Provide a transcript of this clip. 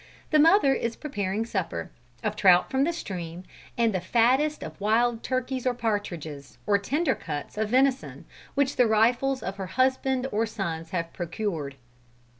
The mother is preparing supper, of trout from the stream, and the fattest of wild turkeys or partridges, or tender cuts of venison, which the rifles of her husband or sons have procured.